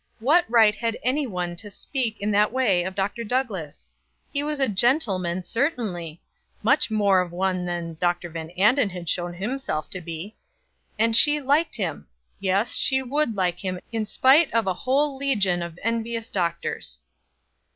What right had any one to speak in that way of Dr. Douglass? He was a gentleman, certainly, much more of a one than Dr. Van Anden had shown himself to be and she liked him; yes, and she would like him, in spite of a whole legion of envious doctors.